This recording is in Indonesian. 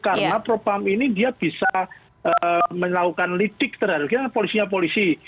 karena propam ini dia bisa melakukan lidik terhadap polisinya polisi